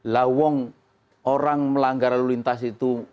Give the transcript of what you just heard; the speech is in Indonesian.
lawong orang melanggar lalu lintas itu